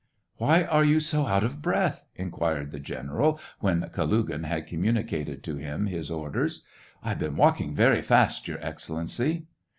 "Why are you so out of breath V inquired the general, when Kalugin had communicated to him his orders. "I have been walking very fast, Your Excel lency